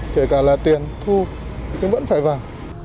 kể cả là tiền thu thì vẫn phải vào